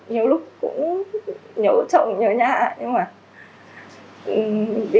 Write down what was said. nhiều lúc cũng nhớ chồng nhớ nhà nhưng mà vì cộng đồng và vì tất cả mọi người